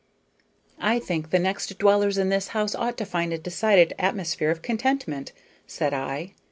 "I think the next dwellers in this house ought to find a decided atmosphere of contentment," said I.